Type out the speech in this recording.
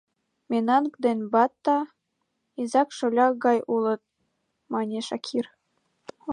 — Менанг ден батта — изак-шоляк гай улыт, — мане Шакир.